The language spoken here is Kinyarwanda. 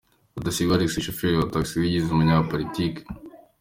Rudasingwa Alexis Shoferi wa Taxi wigize umunyapolitiki